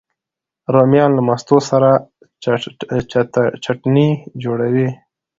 رومیان له مستو سره چټني جوړوي